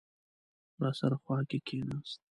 راسره خوا کې کېناست.